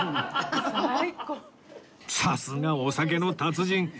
さすがお酒の達人！